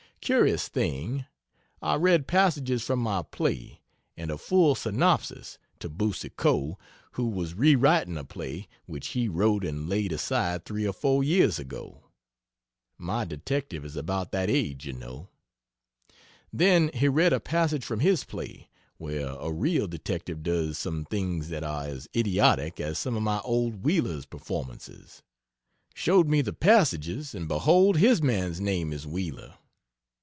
Curious thing. I read passages from my play, and a full synopsis, to Boucicault, who was re writing a play, which he wrote and laid aside 3 or 4 years ago. (My detective is about that age, you know.) Then he read a passage from his play, where a real detective does some things that are as idiotic as some of my old Wheeler's performances. Showed me the passages, and behold, his man's name is Wheeler!